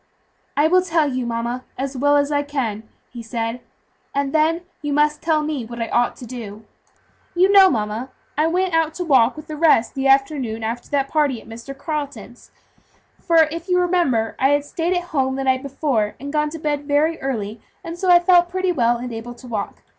"I will tell you, mama, as well as I can," he said, "and then you must tell me what I ought to do. You know, mamma, I went out to walk with the rest the afternoon after that party at Mr. Carleton's; for if you remember, I had stayed at home the night before, and gone to bed very early, and so I felt pretty well and able to walk.